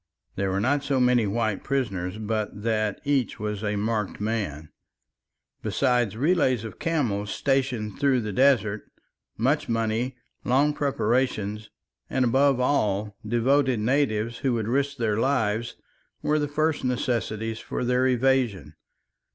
There were not so many white prisoners but that each was a marked man. Besides relays of camels stationed through the desert, much money, long preparations, and above all, devoted natives who would risk their lives, were the first necessities for their evasion.